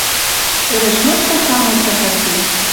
Ӹлӹш мычкы самой цӓшӓн кет.